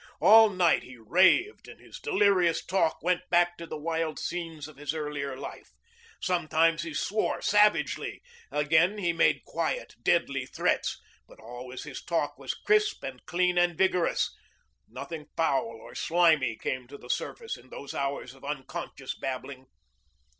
All night he raved, and his delirious talk went back to the wild scenes of his earlier life. Sometimes he swore savagely; again he made quiet deadly threats; but always his talk was crisp and clean and vigorous. Nothing foul or slimy came to the surface in those hours of unconscious babbling.